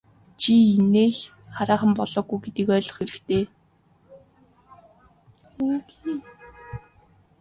Чи инээх хараахан болоогүй гэдгийг ойлгох хэрэгтэй.